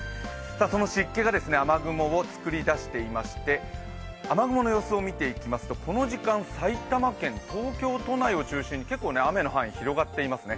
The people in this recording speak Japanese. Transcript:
その湿気が雨雲を作り出していまして、雨雲の様子を見ていきますと、この時間埼玉県、東京都内を中心に結構雨の範囲、広がっていますね。